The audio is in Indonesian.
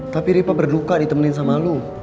tapi riva berduka ditemenin sama lu